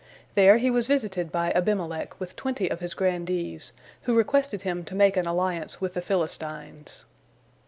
There he was visited by Abimelech with twenty of his grandees, who requested him to make an alliance with the Philistines.